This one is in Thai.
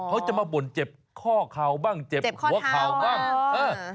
เขาจะมาบ่นเจ็บข้อเข่าบ้างเจ็บหัวเข่าบ้างเออ